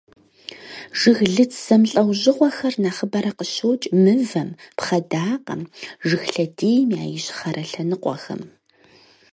Жыглыц зэмылӀэужьыгъуэхэр нэхъыбэрэ къыщокӀ мывэм, пхъэдакъэм, жыг лъэдийм я ищхъэрэ лъэныкъуэм.